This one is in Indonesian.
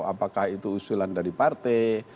apakah itu usulan dari partai